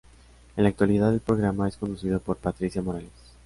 En la actualidad el programa es conducido por Patricia Morales.